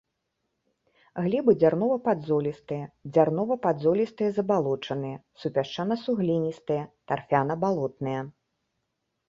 Глебы дзярнова-падзолістыя, дзярнова-падзолістыя забалочаныя, супясчана-сугліністыя, тарфяна-балотныя.